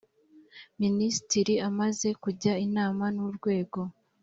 minisitiri amaze kujya inama n’urwego